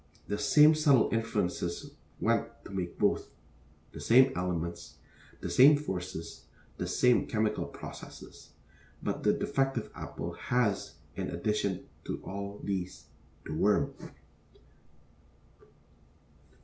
The same subtle influences went to make both: the same elements, the same forces, the same chemical processes. But the defective apple has in addition to all these the worm.